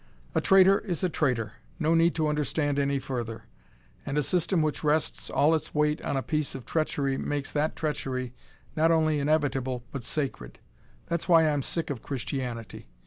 "A traitor is a traitor no need to understand any further. And a system which rests all its weight on a piece of treachery makes that treachery not only inevitable but sacred. That's why I'm sick of Christianity.